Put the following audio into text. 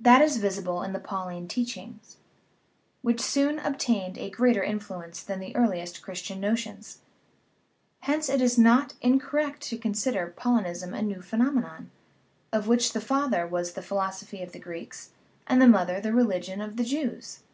That is visible in the Pauline teaching, which soon obtained a greater influence than the earliest Christian notions. Hence it is not incor rect to consider Paulinism a new phenomenon, of which the father was the philosophy of the Greeks, and the mother the religion of the Jews.